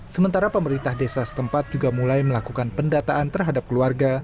sementara pemerintah desa setempat juga mulai melakukan pendataan terhadap keluarga